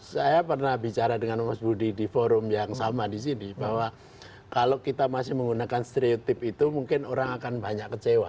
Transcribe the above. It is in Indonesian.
saya pernah bicara dengan mas budi di forum yang sama di sini bahwa kalau kita masih menggunakan stereotip itu mungkin orang akan banyak kecewa